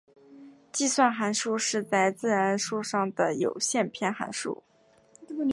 计算函数是在自然数上的有限偏函数。